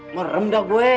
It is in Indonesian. merem dah gue